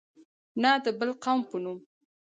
نه د بل قوم په نوم.